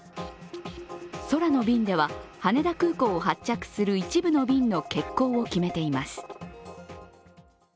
空の便では羽田空港を発着する一部の便の欠航を決めています。